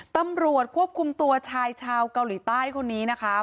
ตำรวจควบคุมตัวชายชาวเกาหลีใต้คนนี้นะคะ